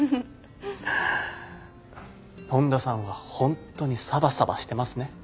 本田さんは本当にサバサバしてますね。